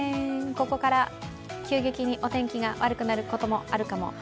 ここから急激にお天気が悪くなることもあるかも。